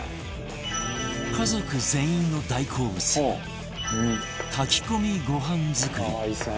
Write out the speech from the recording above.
家族全員の大好物炊き込みご飯作り